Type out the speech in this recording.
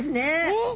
えっ。